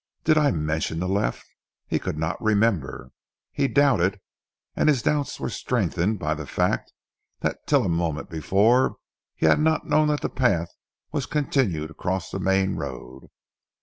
"Did I mention the left?" He could not remember. He doubted, and his doubts were strengthened by the fact that till a moment before he had not known that the path was continued across the main road.